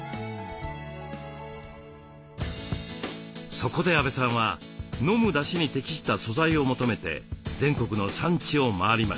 そこで阿部さんは飲むだしに適した素材を求めて全国の産地を回りました。